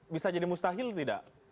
bisa jadi mustahil tidak